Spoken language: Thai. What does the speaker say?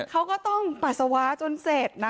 เขาก็ต้องปัสสาวะจนเสร็จนะ